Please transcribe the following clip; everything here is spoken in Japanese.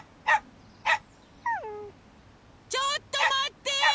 ちょっとまって！